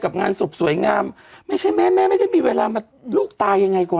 งานศพสวยงามไม่ใช่แม่แม่ไม่ได้มีเวลามาลูกตายยังไงก่อน